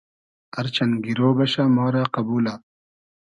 ار چئن گیرۉ بئشۂ ما رۂ قئبولۂ